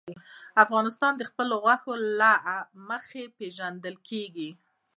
افغانستان د خپلو غوښې له مخې پېژندل کېږي.